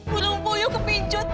bulung puyuh kepincut